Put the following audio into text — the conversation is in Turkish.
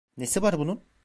Nesi var bunun?